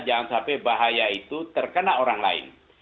jangan sampai bahaya itu terkena orang lain